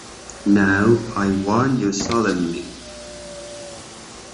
Now, I warn you solemnly.